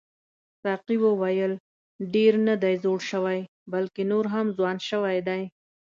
ساقي وویل ډېر نه دی زوړ شوی بلکې نور هم ځوان شوی دی.